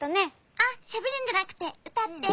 あっしゃべるんじゃなくてうたって。